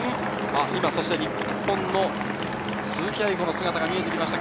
今、日本の鈴木亜由子の姿が見えてきました。